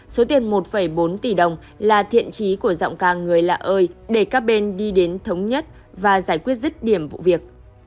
số tiền một bốn tỷ đồng là thiện trí của giọng ca người lạ ơi để các bên đi đến thống nhất và giải quyết rứt điểm vụ việc